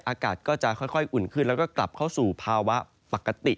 อากาศก็จะค่อยอุ่นขึ้นแล้วก็กลับเข้าสู่ภาวะปกติ